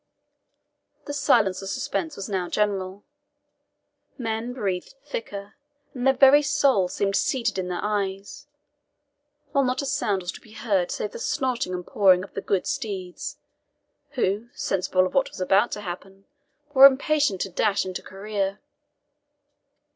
The silence of suspense was now general. Men breathed thicker, and their very souls seemed seated in their eyes; while not a sound was to be heard save the snorting and pawing of the good steeds, who, sensible of what was about to happen, were impatient to dash into career.